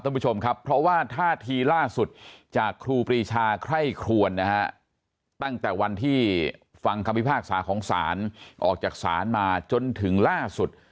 ท่านผู้ชมครับเพราะว่าท่าทีล่าสุดจากครูปรีชาไคร่ครวนนะฮะตั้งแต่วันที่ฟังคำพิพากษาของศาลออกจากศาลมาจนถึงล่าสุด